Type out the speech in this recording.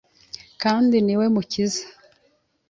kandi ni we Mukiza